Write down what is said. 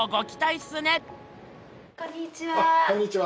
こんにちは。